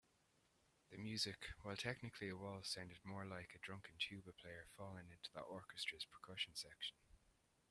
The music, while technically a waltz, sounded more like a drunken tuba player falling into the orchestra's percussion section.